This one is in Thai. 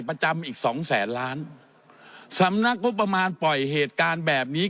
ประจำอีกสองแสนล้านสำนักงบประมาณปล่อยเหตุการณ์แบบนี้